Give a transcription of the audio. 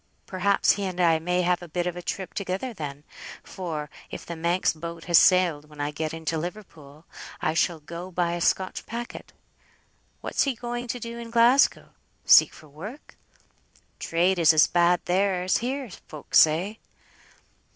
Perhaps he and I may have a bit of a trip together then, for, if the Manx boat has sailed when I get into Liverpool, I shall go by a Scotch packet. What's he going to do in Glasgow? Seek for work? Trade is as bad there as here, folk say."